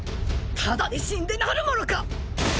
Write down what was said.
無料で死んでなるものか！！